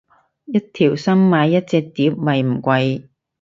一條心買一隻碟咪唔貴